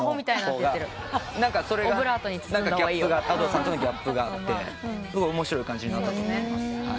Ａｄｏさんとのギャップがあって面白い感じになったと思います。